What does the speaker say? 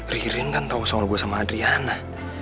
ririn kan tau soal gue sama adriana